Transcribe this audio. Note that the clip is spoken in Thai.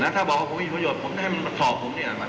ถ้าบอกว่าผมมีประโยชน์ผมจะให้มันมาถอบผมดีกว่า